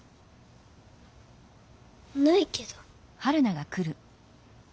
ないけど。